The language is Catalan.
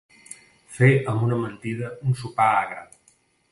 Fer amb una mentida un sopar agre.